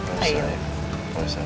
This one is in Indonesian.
gak usah ya